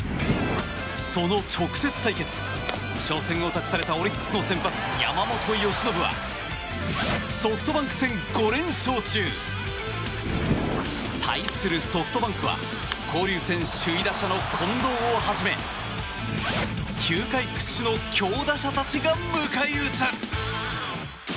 その直接対決、初戦を託されたオリックスの先発、山本由伸はソフトバンク戦５連勝中！対するソフトバンクは交流戦首位打者の近藤をはじめ球界屈指の強打者たちが迎え撃つ！